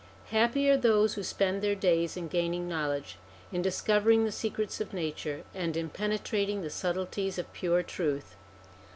Happy are those who spend their days in gaining knowledge, in discovering the secrets of nature, and in penetrating the subtleties of pure truth